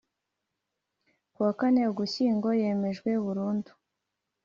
kuwa kane Ugushyingo yemejwe burundu